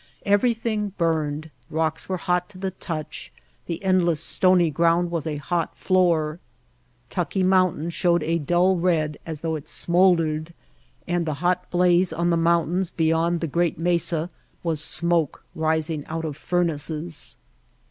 Everything burned, rocks were hot to the touch, the endless stony ground was a hot floor. Tucki Mountain showed a dull red as though it smoldered, and the hot blaze on the mountains beyond the great mesa was smoke rising out of furnaces.